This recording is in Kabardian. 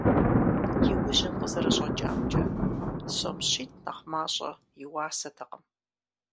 Иужьым къызэрыщӀэкӀамкӀэ, сом щитӀ нэхъ мащӀэ и уасэтэкъым.